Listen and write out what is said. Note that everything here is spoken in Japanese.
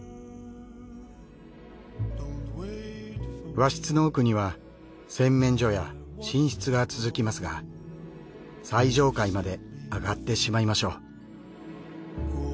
和室の奥には洗面所や寝室が続きますが最上階まで上がってしまいましょう。